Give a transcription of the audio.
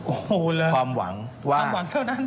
โอ้โฮเลยความหวังเท่านั้นความหวังว่า